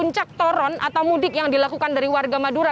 puncak toron atau mudik yang dilakukan dari warga madura